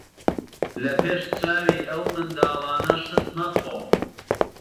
لە پێش چاوی ئەو منداڵانە شت مەخۆ.